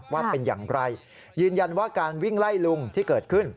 ว่าเป็นอย่างไรยืนยันว่าการวิ่งไล่ลุงที่เกิดขึ้น